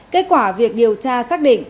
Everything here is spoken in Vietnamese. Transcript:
kết quả việc điều tra xác định